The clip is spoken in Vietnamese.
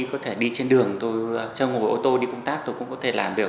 có thể đi trên đường tôi chơi ngồi ô tô đi công tác tôi cũng có thể làm được